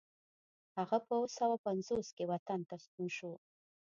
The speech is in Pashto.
هغه په اوه سوه پنځوس کې وطن ته ستون شو.